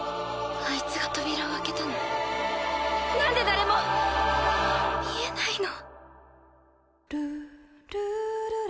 あいつが扉を開けたのなんで誰も見えないの？